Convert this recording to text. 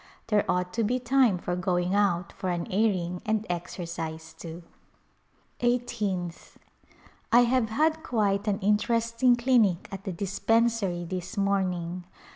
There ought to be time for going out for an airing and exercise, too. Eighteenth. I have had quite an interesting clinic at the dis pensary this morning.